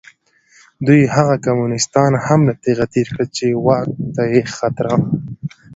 دوی هغه کمونېستان هم له تېغه تېر کړل چې واک ته یې خطر و.